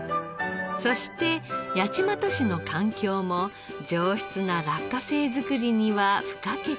そして八街市の環境も上質な落花生作りには不可欠。